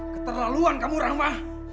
keterlaluan kamu rama